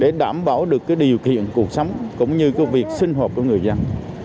để đảm bảo được cái điều kiện cuộc sống cũng như cái việc sinh hợp của người dân